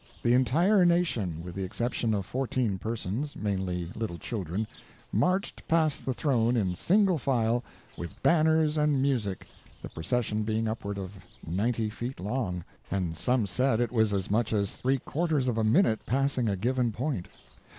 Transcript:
The entire nation, with the exception of fourteen persons, mainly little children, marched past the throne in single file, with banners and music, the procession being upward of ninety feet long; and some said it was as much as three quarters of a minute passing a given point.